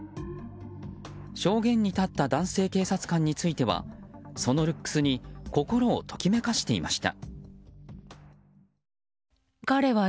証言に立った男性警察官についてはそのルックスに心をときめかしていました。